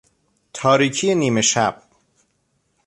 تاریکی نیمه شب